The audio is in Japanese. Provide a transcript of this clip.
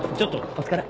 お疲れ。